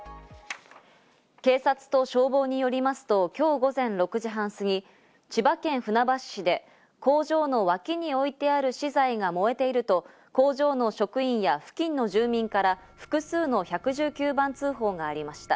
警察と消防によりますと今日午前６時半過ぎ、千葉県船橋市で工場の脇に置いてある資材が燃えていると工場の職員や付近の住民から複数の１１９番通報がありました。